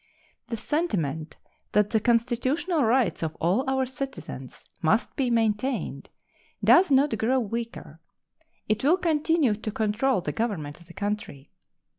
The sentiment that the constitutional rights of all our citizens must be maintained does not grow weaker. It will continue to control the Government of the country.